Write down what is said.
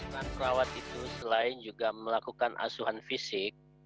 dan perawat itu selain juga melakukan asuhan fisik